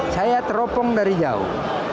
saya teropong dari jauh